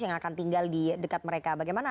yang akan tinggal di dekat mereka bagaimana